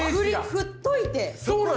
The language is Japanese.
振っといて。